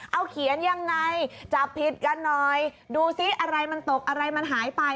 เอาเขียนยังไงจับผิดกันหน่อยดูซิอะไรมันตกอะไรมันหายไป